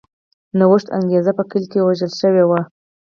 نوښت انګېزه په کې وژل شوې وه